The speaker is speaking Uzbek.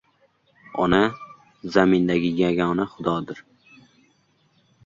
Ona — zamindagi yagona xudodir.